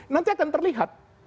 nanti akan terlihat